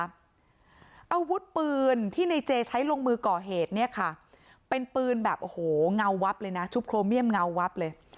อาวุธปืนที่ในเจใช้ลงมือก่อเหตุเนี่ยค่ะเป็นปืนแบบโอ้โหเงาวับเลยนะชุบโครเมียมเงาวับเลย